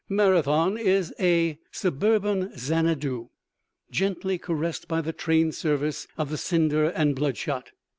Marathon is a suburban Xanadu gently caressed by the train service of the Cinder and Bloodshot.